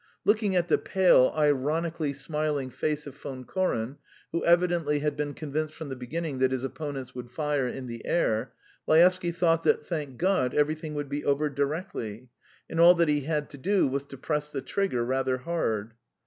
Looking at the pale, ironically smiling face of Von Koren, who evidently had been convinced from the beginning that his opponent would fire in the air, Laevsky thought that, thank God, everything would be over directly, and all that he had to do was to press the trigger rather hard.